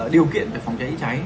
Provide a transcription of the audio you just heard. điều kiện về phòng cháy chữa cháy